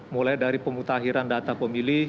mulai dari pemutahiran data pemilih